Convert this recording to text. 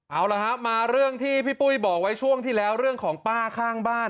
เอาละครับมาเรื่องที่พี่ปุ้ยบอกไว้ช่วงที่แล้วเรื่องของป้าข้างบ้าน